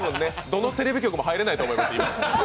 どのテレビ局も入れないと思います、今。